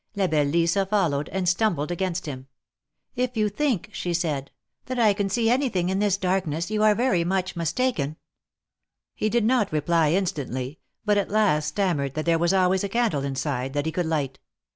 La belle Lisa followed, and stumbled against him. " If you think," she said, " that I can see anything in this darkness, you are very much mistaken." He did not reply instantly, but at last stammered that there was always a candle inside, that he could light.